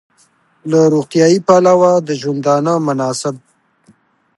له روغتیايي پلوه د ژوندانه مناسب